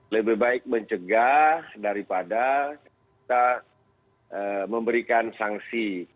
lebih baik mencegah daripada kita memberikan sanksi